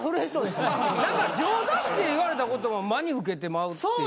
なんか冗談で言われたことも真に受けてまうっていう。